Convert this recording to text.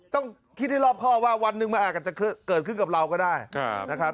ต้องคิดให้รอบข้อว่าวันหนึ่งมันอาจจะเกิดขึ้นกับเราก็ได้นะครับ